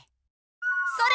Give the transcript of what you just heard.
それ！